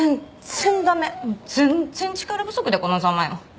全然力不足でこのザマよ。